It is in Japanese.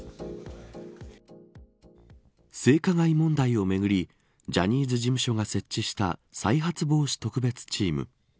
性加害問題をめぐりジャニーズ事務所が設置した再発防止特別チーム。